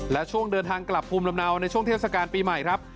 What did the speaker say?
และช่วงเดินทางกลับภูมิลำเนาในช่วงเทศกาลปีใหม่ครับ